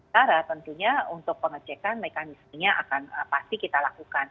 cara tentunya untuk pengecekan mekanismenya akan pasti kita lakukan